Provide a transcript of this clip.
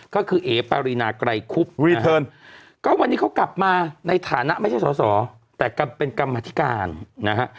ก็คือเอ๋ปารีนาไกรคุบรีเทิร์นก็วันนี้เขากลับมาในฐานะไม่ใช่สอสอแต่เป็นกรรมธิการนะฮะ